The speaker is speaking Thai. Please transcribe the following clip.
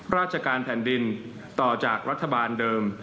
ราชการแผ่นดินต่อจากรัฐบาลเดิม